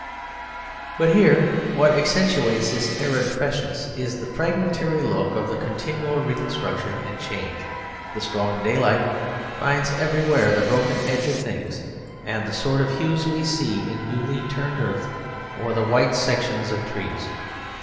But here what accentuates this arid freshness is the fragmentary look of the continual reconstruction and change. The strong daylight finds everywhere the broken edges of things, and the sort of hues we see in newly turned earth or the white sections of trees.